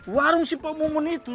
warung si pak mumun itu